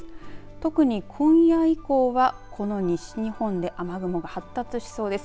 特に今夜以降はこの西日本で雨雲が発達しそうです。